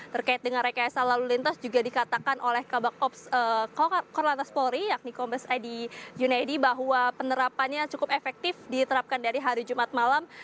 terkait dengan rekayasa lalu lintas juga dikatakan oleh korlantas polri yakni kombes edy junedi bahwa penerapannya cukup efektif diterapkan dari hari jumat malam